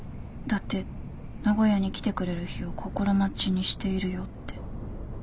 だって「名古屋に来てくれる日を心待ちにしているよ」って。